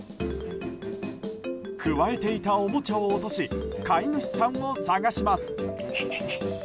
くわえていたおもちゃを落とし飼い主さんを捜します。